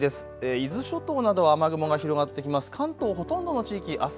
伊豆諸島などは雨雲が広がってきます。